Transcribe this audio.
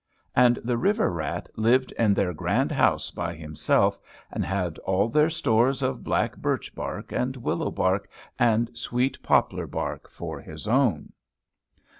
And the water rat lived in their grand house by himself, and had all their stores of black birch bark and willow bark and sweet poplar bark for his own.